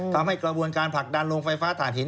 ทำให้กระบวนการผลักดันโรงไฟฟ้าถ่านหิน